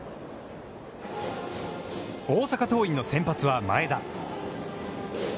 大阪桐蔭の先発は前田。